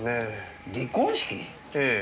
ええ。